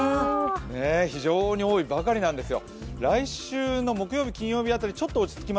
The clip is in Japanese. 「非常に多い」ばかりなんですよ。